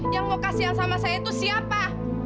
yang mau kasihan sama saya itu siapa